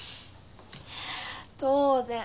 当然。